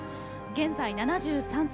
現在７３歳。